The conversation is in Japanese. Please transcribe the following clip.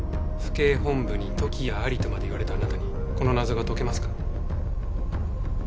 「府警本部に時矢あり」とまで言われたあなたにこの謎が解けますか？